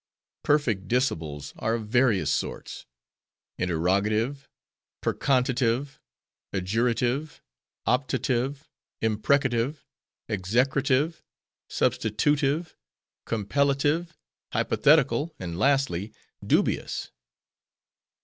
"Perfect Dicibles are of various sorts: Interrogative; Percontative; Adjurative; Optative; Imprecative; Execrative; Substitutive; Compellative; Hypothetical; and lastly, Dubious."